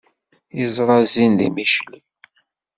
Yeẓra zzin di Micli.